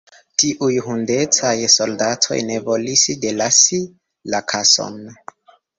Tiuj hundecaj soldatoj ne volis delasi la kason.